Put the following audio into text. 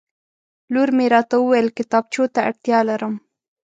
لور مې راته وویل کتابچو ته اړتیا لرم